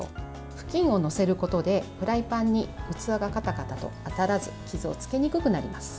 布巾を乗せることでフライパンに器がカタカタと当たらず傷をつけにくくなります。